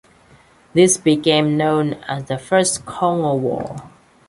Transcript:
This became known as the First Congo War.